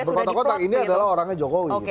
berkotak kotak ini adalah orangnya jokowi